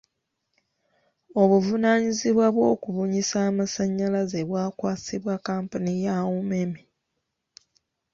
Obuvunaanyizibwa bw’okubunyisa amasannyalaze bwakwasibwa kkampuni ya UMEME.